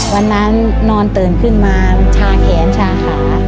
วันนั้นนอนเตินขึ้นมาชาแขนชาขา